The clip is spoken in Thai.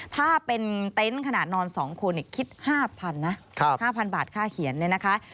ถ้าเป็นเต็นต์ขนาดนอน๒คนคิด๕๐๐๐นะ๕๐๐บาทค่าเขียนเนี่ยนะคะ